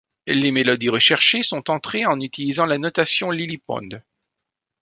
Les mélodies recherchées sont entrées en utilisant la notation LilyPond.